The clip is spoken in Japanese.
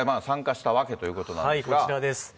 今回、こちらです。